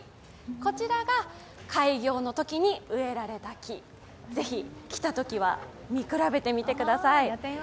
こちらが開業のときに植えられた木、ぜひ、来たときは見比べてみてください。